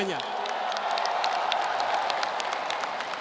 dan mempersatukan semuanya